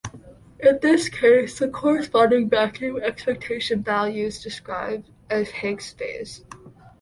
In this case, the corresponding vacuum expectation values describe a Higgs phase.